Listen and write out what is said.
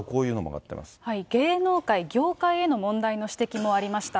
芸能界、業界への問題の指摘もありました。